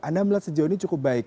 anda melihat sejauh ini cukup baik